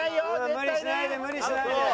無理しないで無理しないで。